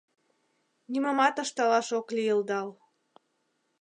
Нимомат ышталаш ок лийылдал.